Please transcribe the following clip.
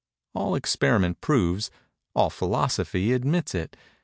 All Experiment proves—all Philosophy admits it.